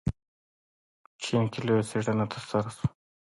چین کې لویه څېړنه ترسره شوه.